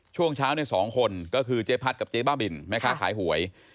ช่วงเช้าในสองคนก็คือเจ๊พัดกับเจ๊บ้าบินแม่ค้าขายหวย